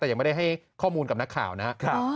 แต่ยังไม่ได้ให้ข้อมูลกับนักข่าวนะครับ